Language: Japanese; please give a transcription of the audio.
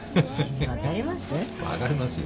分かります？